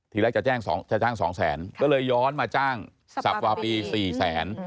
ทีแรกจะแจ้งจะจ้างสองแสนก็เลยย้อนมาจ้างสับวาปี๔แสน